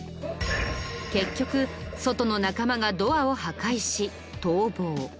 結局外の仲間がドアを破壊し逃亡。